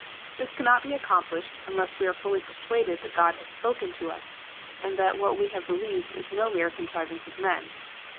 Tliis cannot be accomplished unless we are fully persuaded that God has spoken to us, and that what we have believed is no mere contrivance of men.